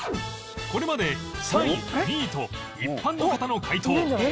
これまで３位２位と一般の方の回答